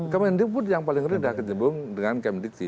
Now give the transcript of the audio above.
kemendikbud yang paling rendah terhubung dengan kemendikti